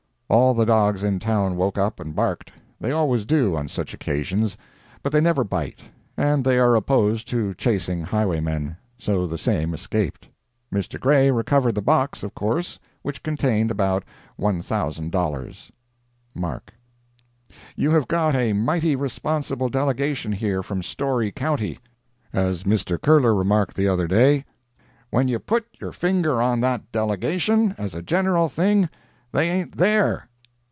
All the dogs in town woke up and barked—they always do on such occasions, but they never bite, and they are opposed to chasing highwaymen—so the same escaped. Mr. Gray recovered the box, of course, which contained about one thousand dollars.—MARK. You have got a mighty responsible delegation here from Storey county. As Mr. Curler remarked the other day, "When you put your finger on that delegation, as a general thing, they ain't there."